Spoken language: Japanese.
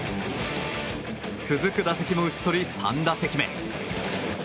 続く打席も打ち取り３打席目。